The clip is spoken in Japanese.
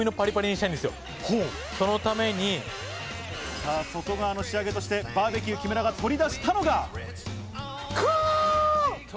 さぁ、外側の仕上げとして、バーベキュー木村が取り出したのが。